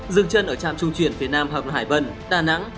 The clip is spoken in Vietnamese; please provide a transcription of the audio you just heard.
dựng chân ở trạm trung chuyển phía nam học hải vân đà nẵng